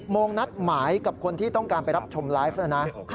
โมงนัดหมายกับคนที่ต้องการไปรับชมไลฟ์นะนะ